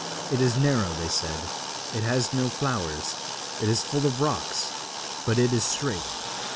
'It is narrow,' they said, 'it has no flowers, it is full of rocks, but it is straight.